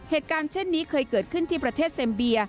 เหตุการณ์เช่นนี้เคยเกิดขึ้นที่ประเทศเซ็มเบีย